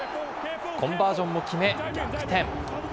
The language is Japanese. コンバージョンも決め、逆転。